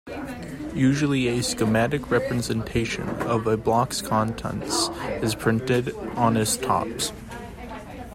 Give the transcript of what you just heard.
Usually, a schematic representation of the block's contents is printed on its top.